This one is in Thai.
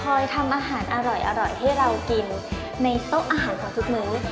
ทำอาหารอร่อยให้เรากินในโต๊ะอาหารของทุกมื้อ